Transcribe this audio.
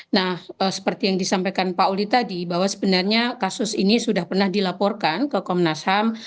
nah seperti yang disampaikan pak oli tadi bahwa sebenarnya kasus ini sudah pernah dilaporkan ke komnas ham